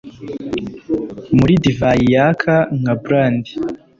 muri divayi yaka nka brandi